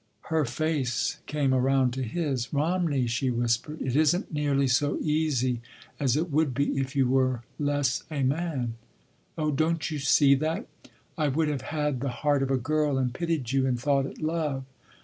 Her face came around to his. "Romney," she whispered. "It isn’t nearly so easy as it would be if you were less a man. Oh, don’t you see that? I would have had the heart of a girl and pitied you, and thought it love.